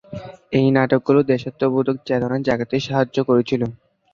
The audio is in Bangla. এই নাটকগুলি দেশাত্মবোধক চেতনা জাগাতে সাহায্য করেছিল।